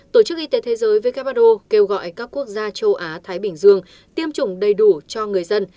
tổ chức y tế thế giới who kêu gọi các quốc gia châu á thái bình dương tiêm chủng đầy đủ cho người dân